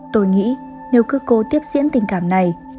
tôi nghĩ nếu cứ cô tiếp diễn tình cảm này